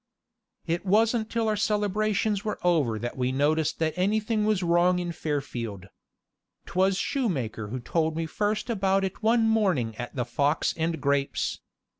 It wasn't till our celebrations were over that we noticed that anything was wrong in Fairfield. 'T was shoemaker who told me first about it one morning at the Fox and Grapes.